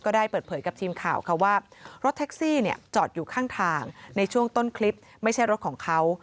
ได้เปิดเผยกับทีมข่าวค่ะว่ารถแท็กซี่จอดอยู่ข้างทางในช่วงต้นคลิปไม่ใช่รถของเขา